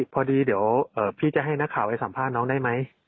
พอดีเดี๋ยวพี่จะให้นักข่าวไปสัมภาษณ์น้องได้ไหม